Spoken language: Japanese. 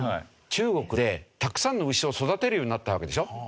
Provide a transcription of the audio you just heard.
中国でたくさんの牛を育てるようになったわけでしょ？